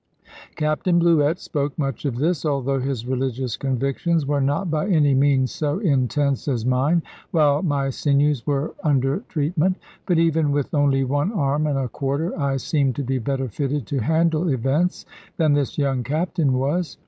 Captain Bluett spoke much of this, although his religious convictions were not by any means so intense as mine, while my sinews were under treatment; but even with only one arm and a quarter I seemed to be better fitted to handle events than this young Captain was.